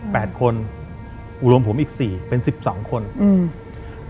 แปดคนรวมผมอีกสี่เป็นสิบสองคนอืม